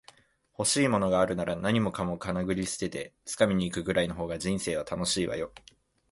欲しいものがあるなら、何もかもかなぐり捨てて掴みに行くぐらいの方が人生は楽しいわよ